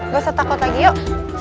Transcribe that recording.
gak usah takut lagi yuk